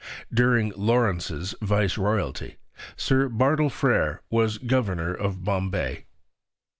During Lawrence's Viceroyalty, Sir Bartle Frere was governor of Bombay.